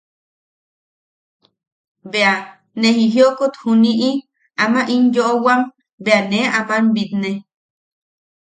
Bea ¡ne jijiok juniʼi! Amak in yooʼowam bea ne aman bitne.